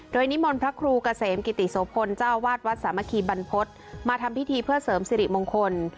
โดยนิมนต์พระครูเกษมกิติโสพลเจ้าอาวาสวัดสามัคคีบรรพฤษมาทำพิธีเพื่อเสริมสิริมงคล